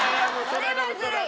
それはずるいよ。